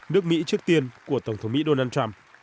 nước mỹ trước tiên của tổng thống mỹ donald trump